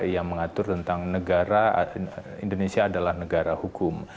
yang mengatur tentang negara indonesia adalah negara hukum